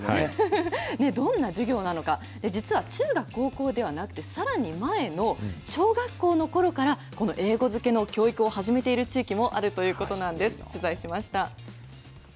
どんな授業なのか、実は中学、高校ではなくて、さらに前の小学校のころから、この英語漬けの教育を始めている地域もあるということなんです。